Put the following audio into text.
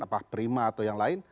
apa prima atau yang lain